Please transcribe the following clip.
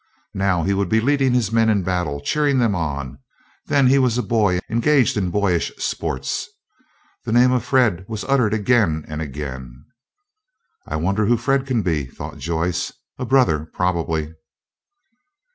Now he would be leading his men in battle, cheering them on. Then he was a boy, engaged in boyish sports. The name of Fred was uttered again and again. "I wonder who Fred can be?" thought Joyce; "a brother, probably."